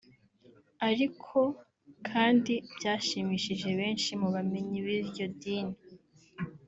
ariko kandi byashimishije benshi mu bamenyi b’iryo dini (Sheikh)